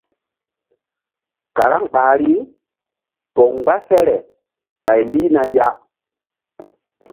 Karaŋ ɓahri poŋ mgba here ɓay lihna ya.